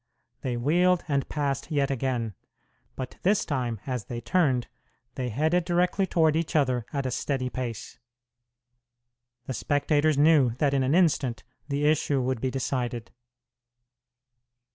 They wheeled and passed yet again; but this time, as they turned, they headed directly toward each other at a steady pace. The spectators knew that in an instant the issue would be decided.